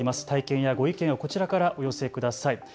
体験やご意見、こちらからお寄せください。